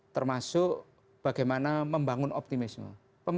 termasuk bagaimana membangun optimisme